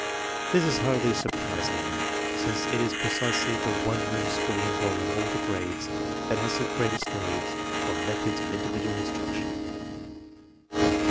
This is hardly surprising, since it is pre cisely the one room school enrolling all the grades that has the greatest need for methods of individual instruc tion.